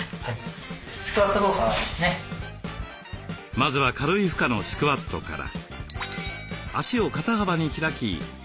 まずは軽い負荷のスクワットから。